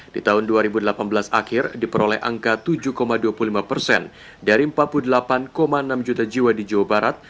di tahun dua ribu delapan belas akhir diperoleh angka tujuh dua puluh lima persen dari empat puluh delapan enam juta jiwa di jawa barat